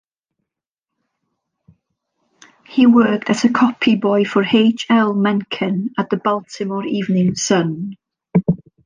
He worked as a copyboy for H. L. Mencken at the "Baltimore Evening Sun".